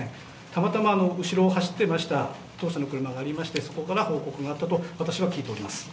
たまたま後ろを走っていました当社の車がありまして、そこから報告があったと私は聞いております。